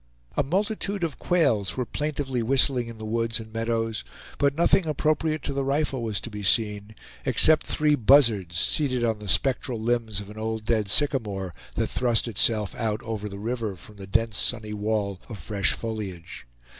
A multitude of quails were plaintively whistling in the woods and meadows; but nothing appropriate to the rifle was to be seen, except three buzzards, seated on the spectral limbs of an old dead sycamore, that thrust itself out over the river from the dense sunny wall of fresh foliage.